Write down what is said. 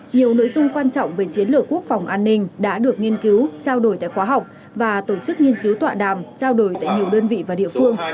nhiều nội dung quan trọng về chiến lược quốc phòng an ninh đã được nghiên cứu trao đổi tại khóa học và tổ chức nghiên cứu tọa đàm trao đổi tại nhiều đơn vị và địa phương